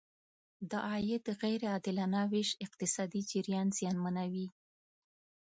د عاید غیر عادلانه ویش اقتصادي جریان زیانمنوي.